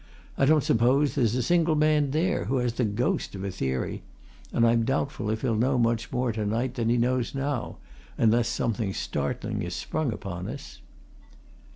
"I don't suppose there's a single man there who has the ghost of a theory, and I'm doubtful if he'll know much more to night than he knows now unless something startling is sprung upon us."